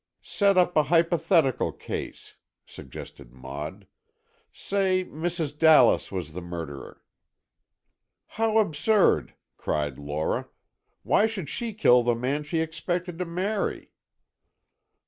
"Set up a hypothetical case," suggested Maud. "Say, Mrs. Dallas was the murderer——" "How absurd," cried Lora, "why should she kill the man she expected to marry?"